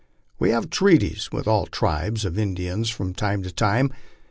We have treaties with all tribes of Indians from time to time.